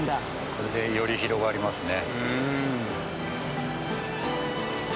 これでより広がりますね。